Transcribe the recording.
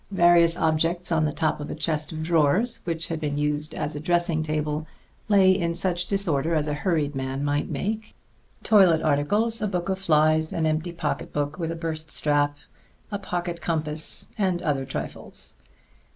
Various objects on the top of a chest of drawers, which had been used as a dressing table, lay in such disorder as a hurried man might make toilet articles, a book of flies, an empty pocket book with a burst strap, a pocket compass and other trifles.